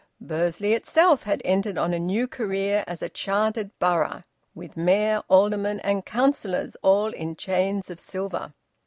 Bursley itself had entered on a new career as a chartered borough, with Mayor, alderman, and councillors, all in chains of silver.